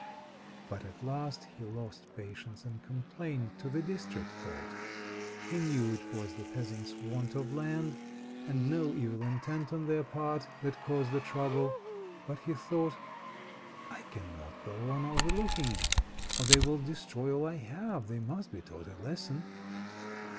But at last he lost patience and complained to the District Court. He knew it was the peasants' want of land, and no evil intent on their part, that caused the trouble; but he thought: "I cannot go on overlooking it, or they will destroy all I have. They must be taught a lesson."